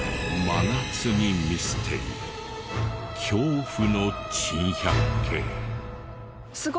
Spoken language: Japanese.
真夏にミステリー恐怖の珍百景。